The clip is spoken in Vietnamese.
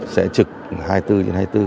sẽ trực hai mươi bốn trên hai mươi bốn